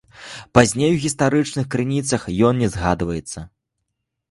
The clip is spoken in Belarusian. Пазней у гістарычных крыніцах ён не згадваецца.